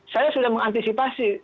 saya sudah mengantisipasi